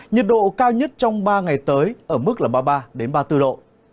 nhiệt độ cao nhất trong ba ngày tới ở mức là ba mươi ba ba mươi bốn độ